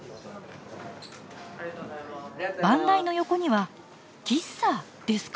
番台の横には喫茶ですか？